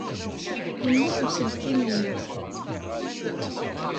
Yemmut uselkim-inu.